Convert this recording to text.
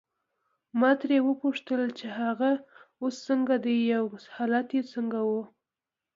ما ترې وپوښتل چې هغه اوس څنګه دی او حالت یې څنګه وو.